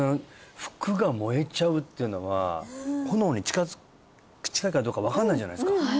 服が燃えちゃうっていうのは炎に近いかどうか分かんないじゃないですか